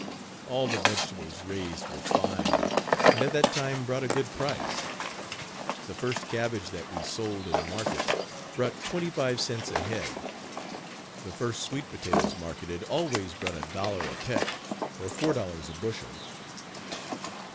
All the vegetables raised were fine, and at that time brought a good price. The first cabbage that we sold in the markets brought twenty five cents a head. The first sweet potatoes marketed always brought a dollar a Page 66 peck, or four dollars a bushel.